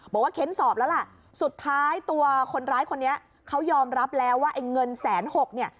เค้นสอบแล้วล่ะสุดท้ายตัวคนร้ายคนนี้เขายอมรับแล้วว่าไอ้เงินแสนหกเนี่ย